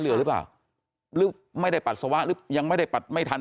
เรือหรือเปล่าหรือไม่ได้ปัสสาวะหรือยังไม่ได้ปัดไม่ทัน